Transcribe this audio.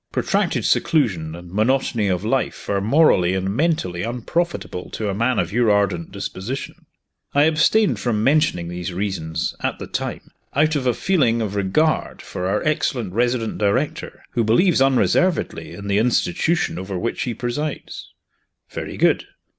Protracted seclusion and monotony of life are morally and mentally unprofitable to a man of your ardent disposition. I abstained from mentioning these reasons, at the time, out of a feeling of regard for our excellent resident director, who believes unreservedly in the institution over which he presides. Very good!